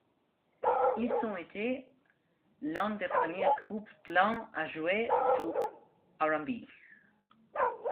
Ils ont été l'un des premiers groupes blancs à jouer du R&B.